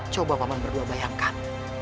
coba paman berdua bayangkan